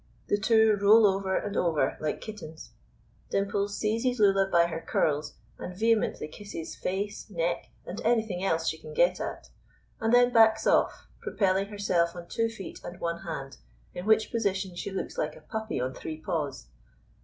The two roll over and over like kittens. Dimples seizes Lulla by her curls and vehemently kisses face, neck, and anything else she can get at; and then backs off, propelling herself on two feet and one hand, in which position she looks like a puppy on three paws.